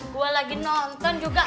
gua lagi nonton juga